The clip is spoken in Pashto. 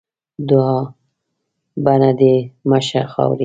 دوعا؛ بڼه دې مه شه خاوري.